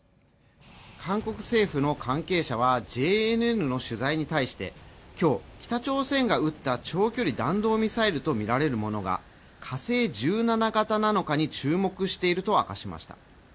韓国政府の関係者はＪＮＮの取材に対して今日北朝鮮が撃った長距離弾道ミサイルとみられるものが火星１７型なのかに注目していると明かしました